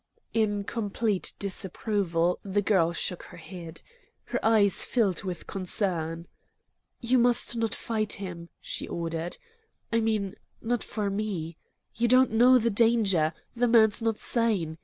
In complete disapproval the girl shook her head. Her eyes filled with concern. "You must not fight him," she ordered. "I mean, not for me. You don't know the danger. The man's not sane.